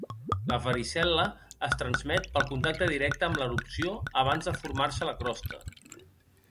La varicel·la es transmet pel contacte directe amb l'erupció abans de formar-se la crosta.